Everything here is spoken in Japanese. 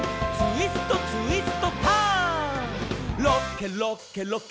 「ツイストツイストターン！」